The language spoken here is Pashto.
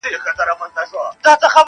نه به څوک وي چي په موږ پسي ځان خوار کي -